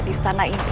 di setanah ini